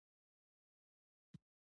په همدغه طبعي سیر کې افغانستان.